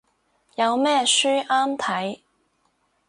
有咩書啱睇